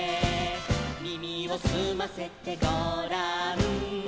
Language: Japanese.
「耳をすませてごらん」